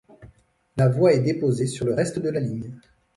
La voie est déposée sur le reste de la ligne.